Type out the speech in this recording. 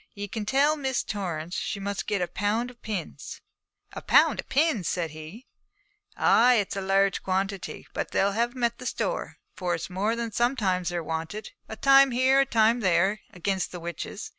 'Ye can tell Miss Torrance she must get a pound of pins.' 'A pound of pins!' said he. 'Ay, it's a large quantity, but they'll have them at the store, for it's more than sometimes they're wanted a time here, a time there against the witches.